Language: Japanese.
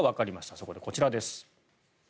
そこで、こちらです。